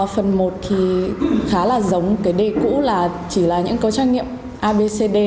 phần một thì khá là giống cái đề cũ là chỉ là những câu trách nghiệm abcd